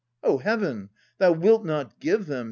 O Heaven ! thou wilt not give them